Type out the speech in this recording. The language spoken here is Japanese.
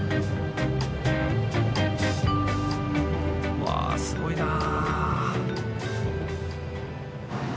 うわすごいなあ。